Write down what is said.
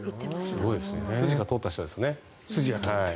筋が通った人ですね。